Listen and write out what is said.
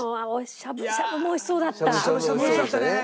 しゃぶしゃぶ美味しそうだったね。